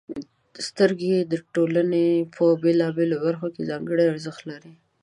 • سترګې د ټولنې په بېلابېلو برخو کې ځانګړې ارزښت لري.